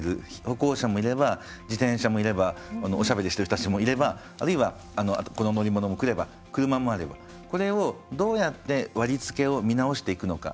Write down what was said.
歩行者もいれば自転車もいればおしゃべりしてる人たちもいればあるいはこの乗り物も来れば車もあればこれをどうやって割り付けを見直していくのか。